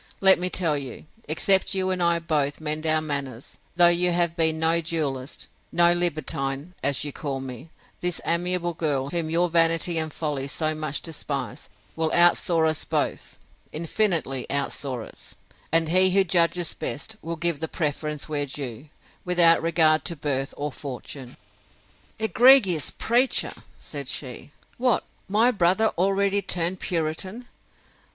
Let me tell you, except you and I both mend our manners, though you have been no duellist, no libertine, as you call me, this amiable girl, whom your vanity and folly so much despise, will out soar us both, infinitely out soar us; and he who judges best, will give the preference where due, without regard to birth or fortune. Egregious preacher! said she: What, my brother already turned Puritan!